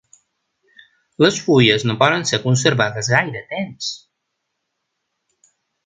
Les fulles no poden ser conservades gaire temps.